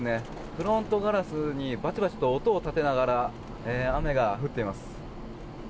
フロントガラスにバチバチと音を立てながら雨が降っています。